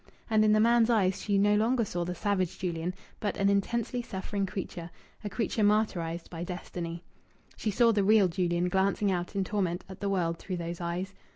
And in the man's eyes she no longer saw the savage Julian, but an intensely suffering creature, a creature martyrized by destiny. She saw the real Julian glancing out in torment at the world through those eyes.